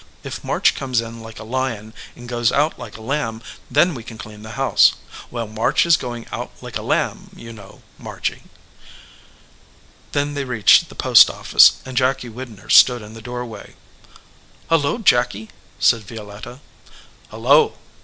"If March comes in like a lion and goes out like a lamb, then we can clean the house. While March is going out like a lamb, you know, Margy." Then they reached the post office, and Jacky Widner stood in the doorway. "Hullo, Jacky!" said Violetta. "Hullo!"